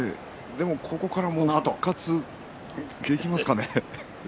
ここから復活できますかね。